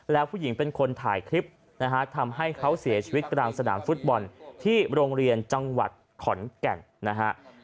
แล้วผู้หญิงเป็นคนถ่ายคลิปนะฮะทำให้เขาเสียชีวิตกลางสนามฟุตบอลที่โรงเรียนจังหวัดขอนแก่นนะฮะ